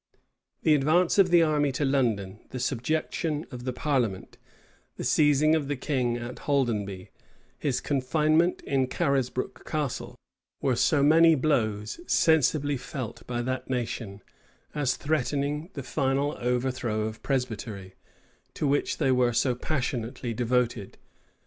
The advance of the army to London, the subjection of the parliament, the seizing of the king at Holdenby, his confinement in Carisbroke Castle, were so many blows sensibly felt by that nation, as threatening the final overthrow of Presbytery, to which they were so passionately devoted.